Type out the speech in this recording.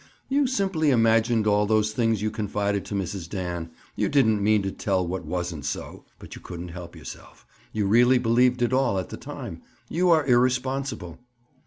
"You simply imagined all those things you confided to Mrs. Dan. You didn't mean to tell what wasn't so, but you couldn't help yourself. You really believed it all, at the time. You are irresponsible."